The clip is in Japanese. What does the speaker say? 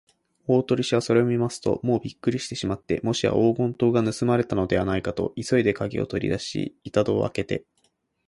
大鳥氏はそれを見ますと、もうびっくりしてしまって、もしや黄金塔がぬすまれたのではないかと、急いでかぎをとりだし、板戸をあけて